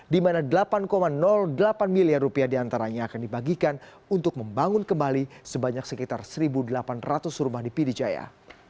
di mana delapan delapan miliar rupiah diantaranya akan dibagikan untuk membangun kembali sebanyak sekitar satu delapan ratus rumah di pidijaya